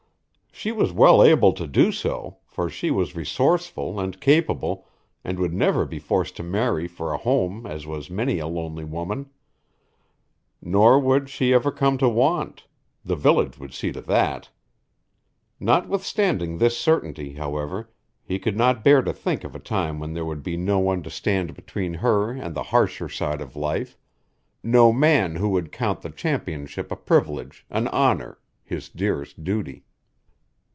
She was well able to do so, for she was resourceful and capable and would never be forced to marry for a home as was many a lonely woman. Nor would she ever come to want; the village would see to that. Notwithstanding this certainty, however, he could not bear to think of a time when there would be no one to stand between her and the harsher side of life; no man who would count the championship a privilege, an honor, his dearest duty.